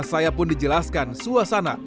saya pun dijelaskan suasana